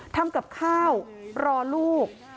ทำกับข้าวรอลูก